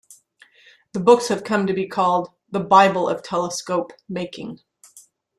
The books have come to be called "the bible of telescope making".